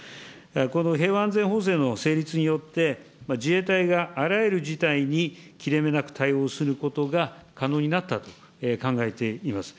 この平和安全法制の成立によって、自衛隊があらゆる事態に切れ目なく対応することが可能になったと考えています。